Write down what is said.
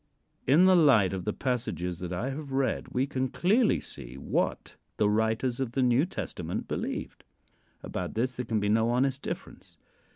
In the light of the passages that I have read we can clearly see what the writers of the New Testament believed. About this there can be no honest difference.